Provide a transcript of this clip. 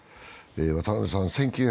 渡辺さん